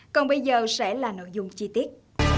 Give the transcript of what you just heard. còn bây giờ sẽ là nội dung chi tiết